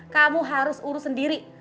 kamu harus urus sendiri